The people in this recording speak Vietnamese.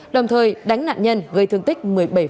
đồng thời đánh nạn nhân gây thương tích một mươi bảy